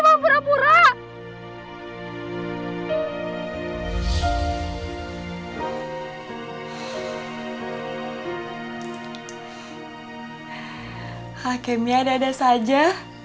kalau sudah berumah tangga pasti sering bercanda